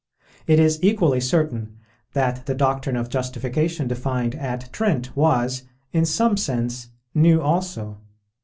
It is equally certain that the doctrine of justification defined at Trent was, in some sense, new also.